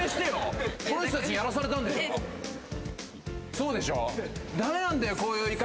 そうでしょ？